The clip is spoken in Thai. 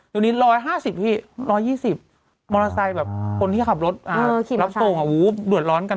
ตรงนี้๑๕๐พี่๑๒๐มอเตอร์ไซค์แบบคนที่ขับรถรับส่งเดือดร้อนกัน